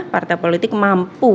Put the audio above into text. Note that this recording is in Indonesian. partai politik mampu